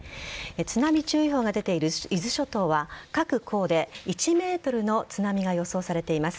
津波注意報が出ている伊豆諸島は各港で１ｍの津波が予想されています。